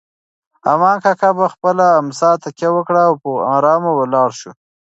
ارمان کاکا په خپله امسا تکیه وکړه او په ارامه ولاړ شو.